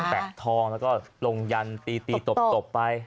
แปะทองแล้วก็ลงยันตีตีตบไป